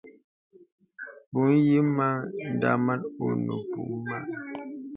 M̄pù nyìmə dāmà onə mpùməŋ.